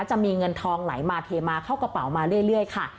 จะมีเงินทองไหลมาเทมาเข้ากระเป๋ามาเรื่อยค่ะ